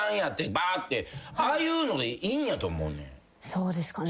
そうですかね。